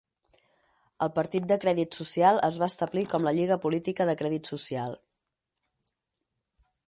El Partit de crèdit social es va establir com la Lliga política de crèdit social.